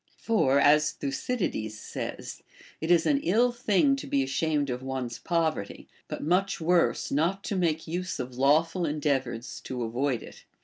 For, as Thucydides says, It is an ill thing to be ashamed of one's poverty, but much Avorse not to make use of lawful endeavors to avoid it.